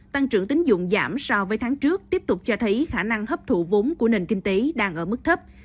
tăng trưởng tính dụng giảm so với tháng trước tiếp tục cho thấy khả năng hấp thụ vốn của nền kinh tế đang ở mức thấp